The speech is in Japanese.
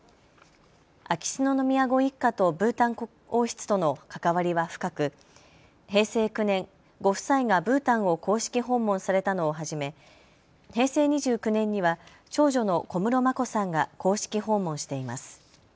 秋篠宮ご一家とブータン王室との関わりは深く、平成９年、ご夫妻がブータンを公式訪問されたのをはじめ平成２９年には長女の小室眞子さんが公式訪問しています。